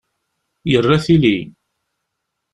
Yerra tili.